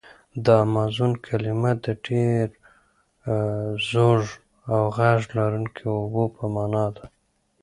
د امازون کلمه د ډېر زوږ او غږ لرونکي اوبو په معنا ده.